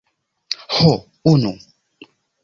Ho... unu.